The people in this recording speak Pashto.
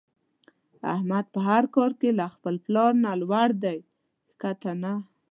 احمد په هر کار کې له خپل پلار نه لوړ دی ښکته نه.